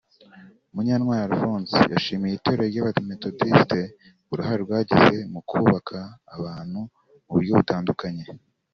Munyantwari Alphonse yashimiye itorero ry’Abametodisite uruhare ryagize mu kubaka abantu mu buryo butandukanye